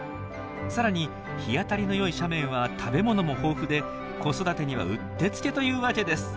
さらに日当たりのよい斜面は食べ物も豊富で子育てにはうってつけというわけです。